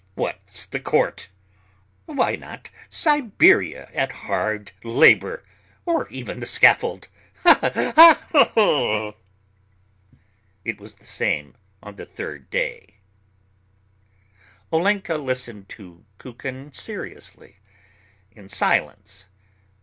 What's the court? Why not Siberia at hard labour, or even the scaffold? Ha, ha, ha!" It was the same on the third day. Olenka listened to Kukin seriously, in silence.